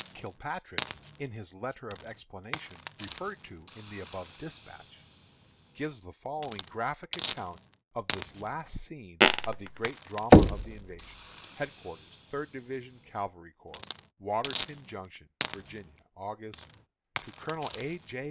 Kilpatrick, in his letter of explanation, referred to in the above despatch, gives the following graphic account of this last scene in the great drama of the invasion: HEADQUARTERS THIRD DIVISION CAVALRY CORPS, Warrenton Junction, Va., Aug. . _To Colonel A. J.